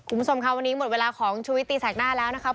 คุณผู้ชมค่ะวันนี้หมดเวลาของชุวิตตีแสกหน้าแล้วนะครับ